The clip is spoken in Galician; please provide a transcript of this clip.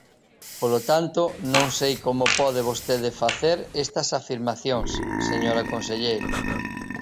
Polo tanto, non sei como pode vostede facer estas afirmacións, señora conselleira.